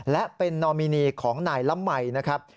และเป็นนอมินีของนายละมัยนะครับ